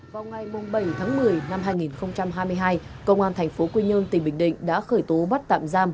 trong một mươi tháng đầu năm hai nghìn hai mươi hai cơ quan thành phố quy nhơn tỉnh bình định đã khởi tố bắt tạm giam